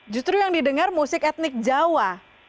justru yang didengar musik etnik jawa